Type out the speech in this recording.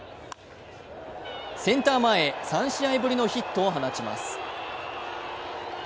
センター前へ３試合ぶりのヒットを放ちます。